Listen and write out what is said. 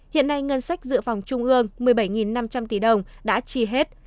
hiện nay ngân sách dự phòng trung ương một mươi bảy năm trăm linh tỷ đồng đã trì hết